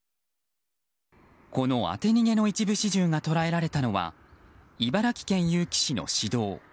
この当て逃げの一部始終が捉えられたのは茨城県結城市の市道。